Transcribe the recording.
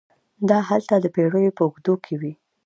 دا هلته د پېړیو په اوږدو کې وې.